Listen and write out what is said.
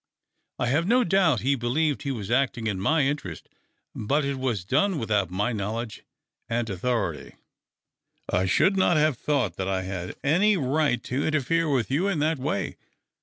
I have no doubt he believed he was acting in my interests, but it was done with out my knowledge and authority. I should not have thought that I had any right to THE OCTAVE OF CLAUDIUS. 315 interfere with you in that way.